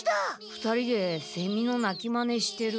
２人でセミの鳴きマネしてる。